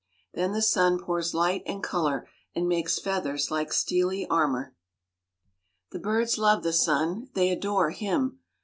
Then the sun pours light and color, and makes feathers like steely armor. The birds love the sun: they adore him.